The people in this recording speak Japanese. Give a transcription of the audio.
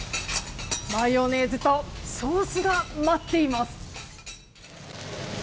マヨネーズとソースが待っています。